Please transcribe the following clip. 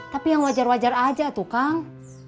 tapi yang wajar wajar aja tuh kang